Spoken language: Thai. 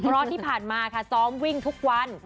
เพราะที่ผ่านมาค่ะซ้อมวิ่งทุกวัน